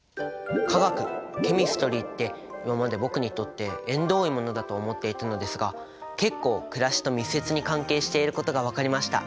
「化学」「Ｃｈｅｍｉｓｔｒｙ」って今まで僕にとって縁遠いものだと思っていたのですが結構暮らしと密接に関係していることが分かりました。